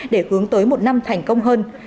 để hướng tới một năm thành công hơn